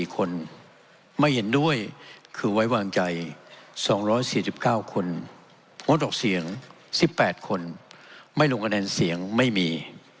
๔คนไม่เห็นด้วยคือไว้วางใจ๒๔๙คนงดออกเสียง๑๘คนไม่ลงคะแนนเสียงไม่มี